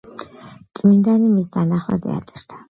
წმინდანი მის დანახვაზე ატირდა.